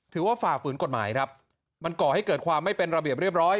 ฝ่าฝืนกฎหมายครับมันก่อให้เกิดความไม่เป็นระเบียบเรียบร้อย